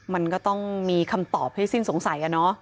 มันก็ต้องมีคำตอบให้สิ้นสงสัย